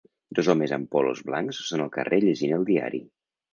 Dos homes amb polos blancs són al carrer llegint el diari.